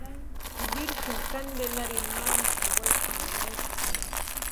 Virjin Kantilary mamas waytn mucht'awtna